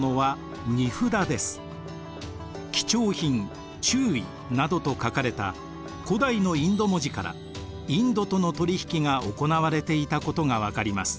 「貴重品」「注意」などと書かれた古代のインド文字からインドとの取り引きが行われていたことが分かります。